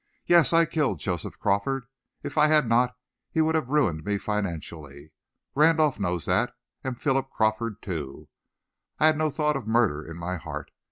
"Yes, I killed Joseph Crawford. If I had not, he would have ruined me financially. Randolph knows that and Philip Crawford, too. I had no thought of murder in my heart.